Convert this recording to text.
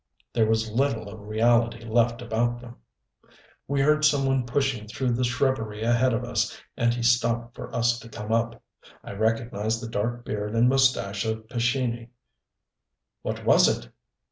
There was little of reality left about them. We heard some one pushing through the shrubbery ahead of us, and he stopped for us to come up. I recognized the dark beard and mustache of Pescini. "What was it?"